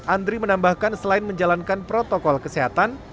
andri menambahkan selain menjalankan protokol kesehatan